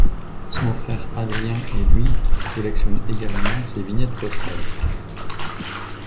Son frère Adrien et lui collectionnent également ces vignettes postales.